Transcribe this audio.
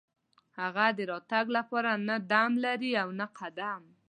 هغه د راتګ لپاره نه دم لري او نه قدم.